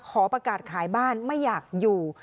ขอประกาศขายบ้านไม่อยากอยู่